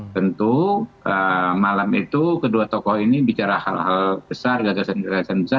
tentu malam itu kedua tokoh ini bicara hal hal besar gagasan gagasan besar